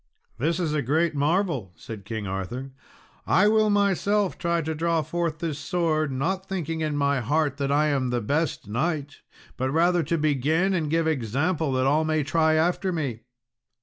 "This is a great marvel," said King Arthur; "I will myself try to draw forth this sword, not thinking in my heart that I am the best knight, but rather to begin and give example that all may try after me."